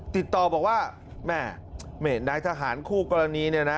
ติดต่อบอกว่าแม่นายทหารคู่กรณีเนี่ยนะ